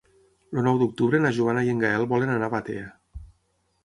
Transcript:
El nou d'octubre na Joana i en Gaël volen anar a Batea.